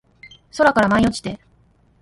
空から舞い落ちて